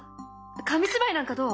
紙芝居なんかどう？